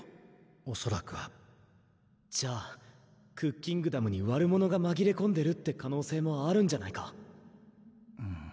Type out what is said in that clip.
おそらくはじゃあクッキングダムに悪者がまぎれこんでるって可能性もあるんじゃないか？